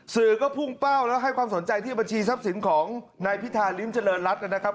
สื่อก็พุ่งเป้าแล้วให้ความสนใจที่บัญชีทรัพย์สินของนายพิธาริมเจริญรัฐนะครับ